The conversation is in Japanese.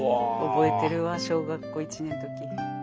覚えてるわ小学校１年の時。